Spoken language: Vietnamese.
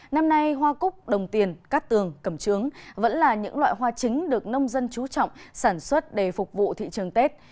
năm nay hoa cúc đồng tiền cát tường cầm trướng vẫn là những loại hoa chính được nông dân trú trọng sản xuất để phục vụ thị trường tết